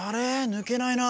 ぬけないな。